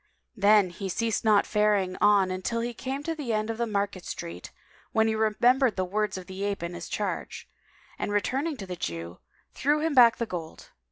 Then he ceased not faring on till he came to the end of the market street, when he remembered the words of the ape and his charge, and returning to the Jew, threw him back the gold.